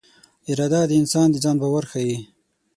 اراده د انسان د ځان باور ښيي.